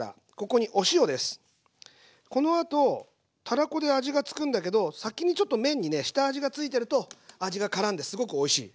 このあとたらこで味がつくんだけど先にちょっと麺にね下味がついてると味がからんですごくおいしい。